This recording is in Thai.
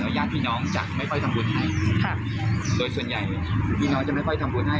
ญาติพี่น้องจะไม่ค่อยทำบุญให้ค่ะโดยส่วนใหญ่พี่น้องจะไม่ค่อยทำบุญให้